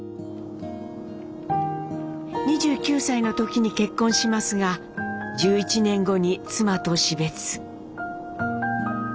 ２９歳の時に結婚しますが１１年後に妻と死別。